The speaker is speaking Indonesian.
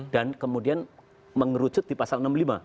dan kemudian mengerucut di pasal enam puluh lima